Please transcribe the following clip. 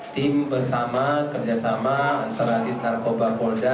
tim bersama kerjasama antara di narkoba polda